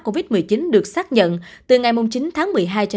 covid một mươi chín được xác nhận từ ngày một mươi chín tháng một mươi hai